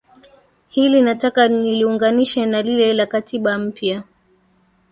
Hili nataka niliunganishe na lile la Katiba Mpya